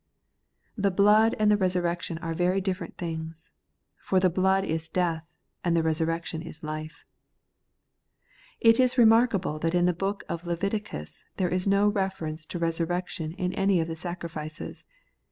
The blood and the resurrection are very different things ; for the blood is death, and the resurrection is life. It is remarkable that in the book of Leviticus there is no reference to resurrection in any of the sacrifices.